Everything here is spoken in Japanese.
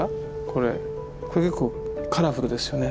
これ結構カラフルですよね。